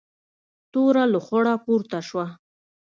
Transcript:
توره لوخړه پورته شوه.